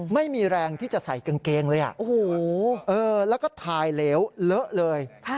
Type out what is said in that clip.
ไม่มีแรงที่จะใส่กางเกงเลยแล้วก็ถ่ายเหลวเลอะเลย